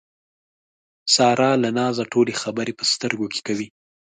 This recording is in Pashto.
ساره له نازه ټولې خبرې په سترګو کې کوي.